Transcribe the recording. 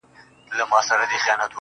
o كه په رنگ باندي زه هر څومره تورېږم.